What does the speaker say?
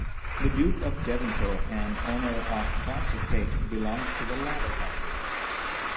The Duke of Devonshire, an owner of vast estates, belonged to the latter category.